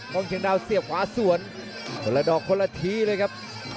งเชียงดาวเสียบขวาสวนคนละดอกคนละทีเลยครับ